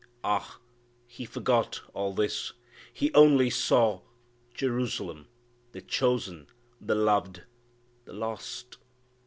Ah! He forgot all this. He only saw Jerusalem the chosen the loved the lost!